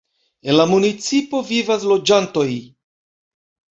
En la municipo vivas loĝantoj.